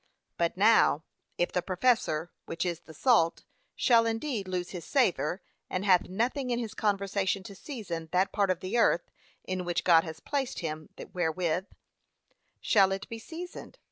But now if the professor, which is the salt, shall indeed lose his savour, and hath nothing in his conversation to season that part of the earth, in which God has placed him, wherewith shall it be seasoned?